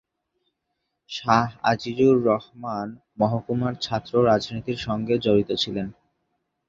শাহ আজিজুর রহমান মহকুমার ছাত্র রাজনীতির সঙ্গে জড়িত ছিলেন।